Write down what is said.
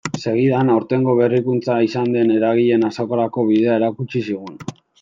Segidan, aurtengo berrikuntza izan den eragileen azokarako bidea erakutsi zigun.